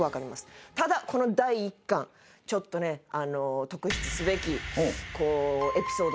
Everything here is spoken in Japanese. ただこの第１巻ちょっとね特筆すべきエピソードがあります。